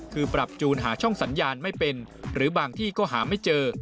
คือปรับจูนหาช่องสัญญาณไม่เป็นหรือบางที่ก็หาไม่เจอ